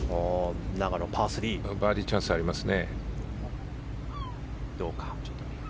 バーディーチャンスありますよ。